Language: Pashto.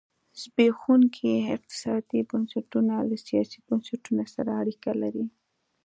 زبېښونکي اقتصادي بنسټونه له سیاسي بنسټونه سره اړیکه لري.